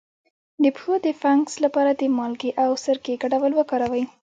د پښو د فنګس لپاره د مالګې او سرکې ګډول وکاروئ